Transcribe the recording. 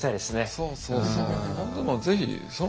そうそうそう。